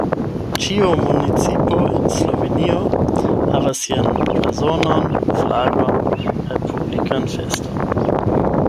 Ĉiu municipo en Slovenio havas sian blazonon, flagon kaj publikan feston.